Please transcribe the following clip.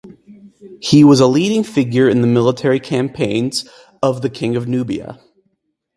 He was a leading figure in the military campaigns of the king in Nubia.